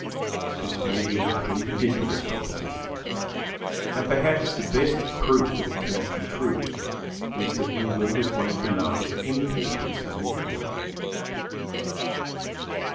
This may be an utterly ridiculous proposition, and perhaps the best proof that it cannot be true, is that England is one of the largest importers in the world.